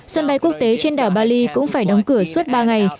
sân bay quốc tế trên đảo bali cũng phải đóng cửa suốt ba ngày